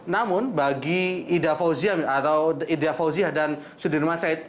namun bagi ida fauziah dan sudirman said